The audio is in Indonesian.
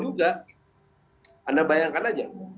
juga anda bayangkan aja